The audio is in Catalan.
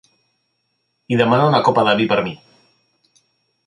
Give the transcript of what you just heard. I demana una copa de vi per a mi.